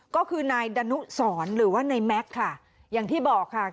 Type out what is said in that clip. ก็คือนายดนุสรหรือว่านายแม็กซ์ค่ะอย่างที่บอกค่ะ